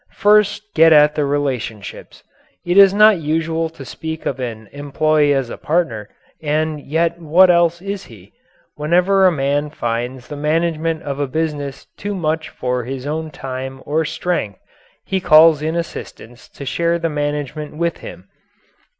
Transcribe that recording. First get at the relationships. It is not usual to speak of an employee as a partner, and yet what else is he? Whenever a man finds the management of a business too much for his own time or strength, he calls in assistants to share the management with him.